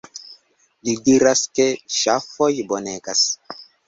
Li diras ke ŝafoj bonegas.